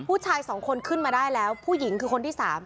ผู้ชาย๒คนขึ้นมาได้แล้วผู้หญิงคือคนที่๓